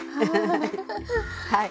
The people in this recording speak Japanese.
はい。